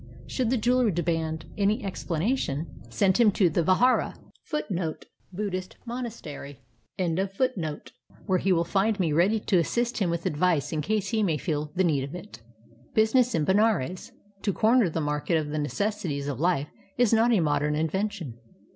Should the jeweler demand any explanation, send him to the lihdra} where he ^^ ill find me ready to assist him with ad\ice in case he may feel the need of it." BUSINESS IN BENARES To comer the market of the necessities of life is not a modem invention.